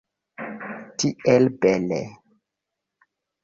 Tiel bele!